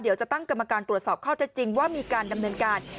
เดี๋ยวจะตั้งกรรมการตรวจสอบข้อเท็จจริงว่ามีการดำเนินการ